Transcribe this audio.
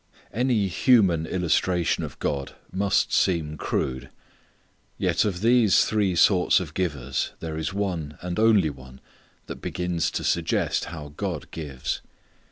Any human illustration of God must seem crude. Yet of these three sorts of givers there is one and only one that begins to suggest how God gives.